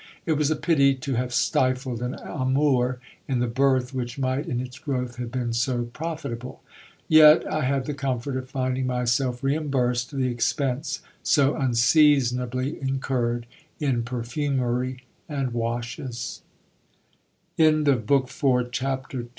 It was a pity to have stifled an amour in the birth which might in its growth have been so pro fitable. Yet I had the comfort of finding myself reimbursed the expense so un seasonably incurred in perfumery and wa